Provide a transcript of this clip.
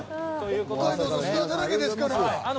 スターだらけですから。